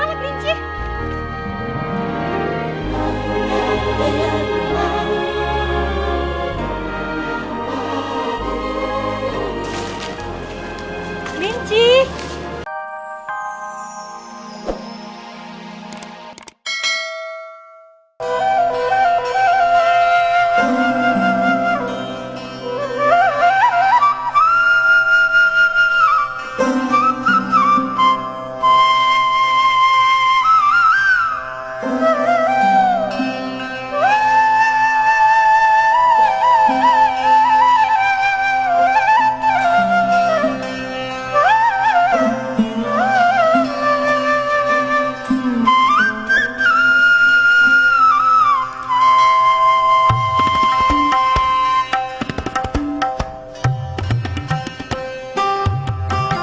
eh kamu kemana grinci